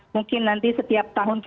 mungkin nanti setiap tahun